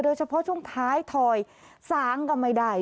โดยเฉพาะช่วงท้ายถอยสางก็ไม่ได้